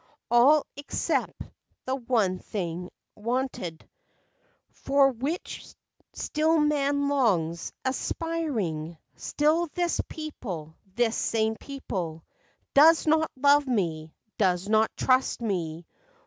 All, except the one thing wanted, For which still man longs, aspiring— Still this people, this same people, Does not love me, does not trust me.